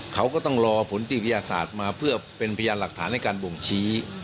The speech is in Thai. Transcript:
เขาก็ต้องรอผลติวิทยาศาสตร์มาเพื่อเป็นพยานหลักฐานในการบ่งชี้